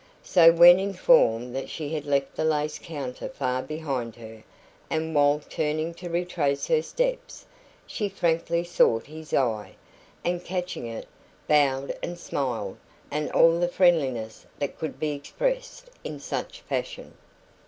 So, when informed that she had left the lace counter far behind her, and while turning to retrace her steps, she frankly sought his eye, and catching it, bowed and smiled with all the friendliness that could be expressed in such fashion.